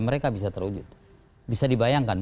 mereka bisa terwujud bisa dibayangkan